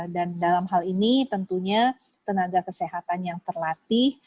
dan dalam hal ini tentunya tenaga kesehatan yang terlatih